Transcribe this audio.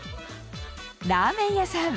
ラーメン屋さん。